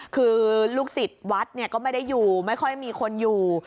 คือลูกศิษย์วัดก็ไม่ได้อยู่ไม่ค่อยมีคนอยู่